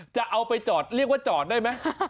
จะเอาไปจอดเรียกว่าจอดได้ไหม